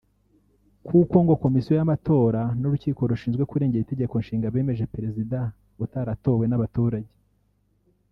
kuko ngo Komisiyo y’amatora n’Urukiko rushinzwe kurengera Itegeko Nshinga bemeje Perezida utaratowe n’abaturage